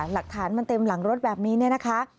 หลักฐานมันเต็มหลังรถแบบนี้เนี่ยนะคะ